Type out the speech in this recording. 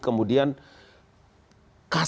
kemudian kasar kalimat